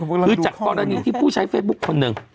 คือจากกรณีที่ผู้ใช้เฟซบุ๊คคนหนึ่ง